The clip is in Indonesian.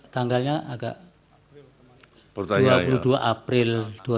tanggalnya agak dua puluh dua april dua ribu dua puluh